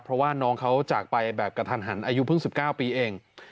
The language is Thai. เพราะว่าน้องเขาจากไปแบบกระทันหันอายุเพิ่ง๑๙ปีเอง